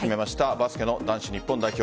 バスケの男子日本代表。